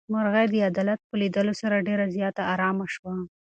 مرغۍ د عدالت په لیدلو سره ډېره زیاته ارامه شوه.